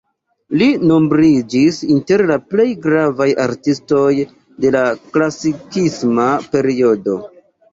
Li nombriĝis inter la plej gravaj artistoj de la klasikisma periodo.